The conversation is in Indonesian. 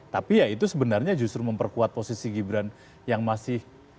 tapi ya itu sebenarnya justru memperkuat posisi gibran yang masih